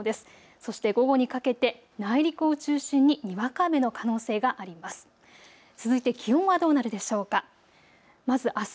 そして午後にかけて内陸を中心ににわか雨の可能性があります。